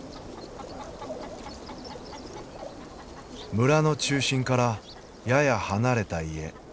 村の中心からやや離れた家。